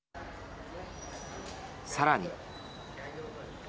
さらに。